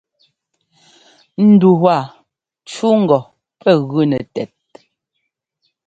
Ndu waa cú ŋgɔ pɛ́ gʉ nɛ tɛt.